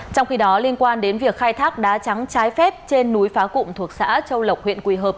trong khi đó liên quan đến việc khai thác đá trắng trái phép trên núi phá cụm thuộc xã châu lộc huyện quỳ hợp